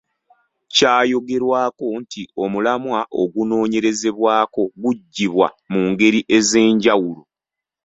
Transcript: Kyayogerwako nti omulamwa ogunoonyerezebwako guggyibwa mu ngeri ez’enjawulo.